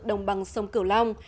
đồng bằng sông cửu long